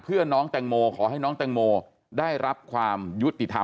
เพื่อน้องแตงโมขอให้น้องแตงโมได้รับความยุติธรรม